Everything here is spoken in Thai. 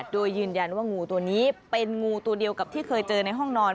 โดยยืนยันว่างูตัวนี้เป็นงูตัวเดียวกับที่เคยเจอในห้องนอน